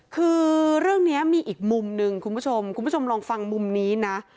คือเรื่องนี้มีอีกมุมหนึ่งคุณผู้ชมคุณผู้ชมลองฟังมุมนี้นะ